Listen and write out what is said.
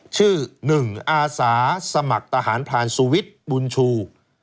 ชื่อ๑อาสาสมัครทหารพรานสุวิทย์บุญชู